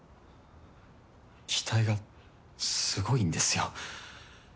期待がすごいんですよ。